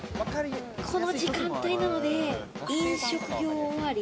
この時間帯なので飲食業終わり。